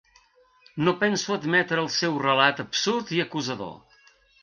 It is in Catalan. No penso admetre el seu relat absurd i acusador.